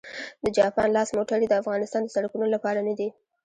د جاپان لاس موټرې د افغانستان د سړکونو لپاره نه دي